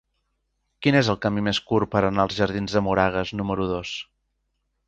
Quin és el camí més curt per anar als jardins de Moragas número dos?